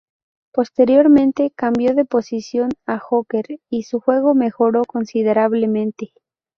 Posteriormente cambió de posición a hooker y su juego mejoró considerablemente.